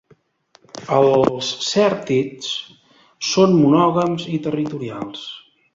Els cèrtids són monògams i territorials.